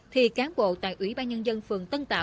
thì cán bộ tại ủy ban nhân dân phường tân tạo